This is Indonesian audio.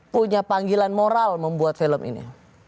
punya panggilan moral membuat film ini